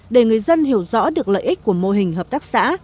để người dân hiểu rõ được lợi ích của mô hình hợp tác xã